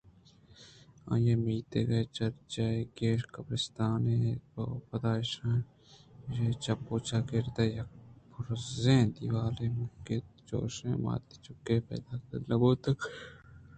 آئی ءِ میتگ ءِ چرچےءِ کش ءَقبرستانے اَت ءُپدا ایشیءِ چپ ءُچاگرد ءَ یک بُرزیں دیوالے مِکّ اَت چوشیں ماتی چکے پیداک نہ بوتگ اَت کہ اے دیوال ءَ سِٹّ اِت بہ کنت